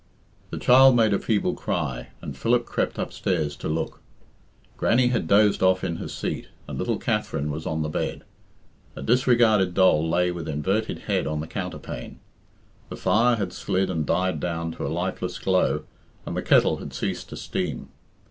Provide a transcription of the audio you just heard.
The child made a feeble cry, and Philip crept upstairs to look. Grannie had dozed off in her seat, and little Katherine was on the bed. A disregarded doll lay with inverted head on the counterpane. The fire had slid and died down to a lifeless glow, and the kettle had ceased to steam.